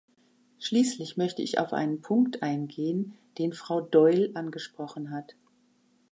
Schließlich möchte ich auf einen Punkt eingehen, den Frau Doyle angesprochen hat.